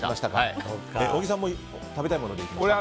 小木さんも食べたいものでいきました？